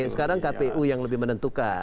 sekarang kpu yang lebih menentukan